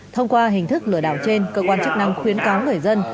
thông qua hình thức lừa đảo trên cơ quan chức năng khuyến cáo người dân